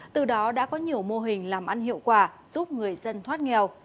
từ đó đã có nhiều mô hình làm ăn hiệu quả giúp người dân thoát nghèo